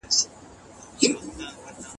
که ښځې کرنه زده کړي نو ځمکې به شاړې نه وي.